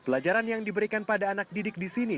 pelajaran yang diberikan pada anak didik di sini